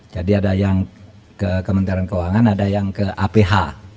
jadi ada yang ke kementerian keuangan ada yang ke aph